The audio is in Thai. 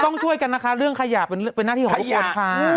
แล้วยกันนะคะเรื่องขยะเป็นหน้าที่ของปกป๋า